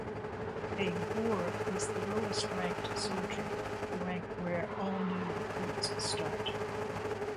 A gorr is the lowest-ranked soldier, the rank where all new recruits start.